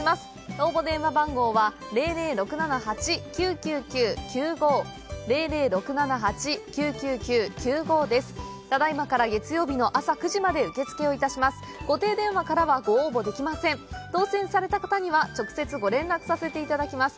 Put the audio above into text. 応募電話番号はただいまから月曜日のあさ９時まで受付を致します固定電話からはご応募できません当選された方には直接ご連絡させて頂きます